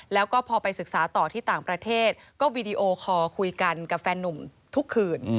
แล้วก็พอไปศึกษาต่อที่ต่างประเทศก็วีดีโอคอลคุยกันกับแฟนนุ่มทุกคืน